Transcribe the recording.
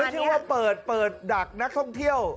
ไม่ใช่ว่าเปิดดักนักท่องเที่ยว